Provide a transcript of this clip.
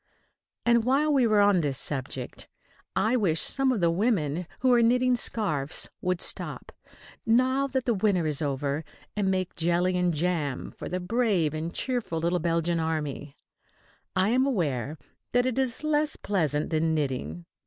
And while we are on this subject, I wish some of the women who are knitting scarfs would stop,[B] now that winter is over, and make jelly and jam for the brave and cheerful little Belgian army. I am aware that it is less pleasant than knitting.